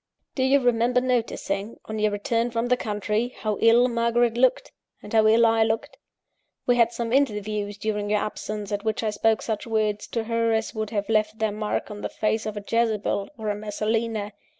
"Do you remember noticing, on your return from the country, how ill Margaret looked, and how ill I looked? We had some interviews during your absence, at which I spoke such words to her as would have left their mark on the face of a Jezebel, or a Messalina.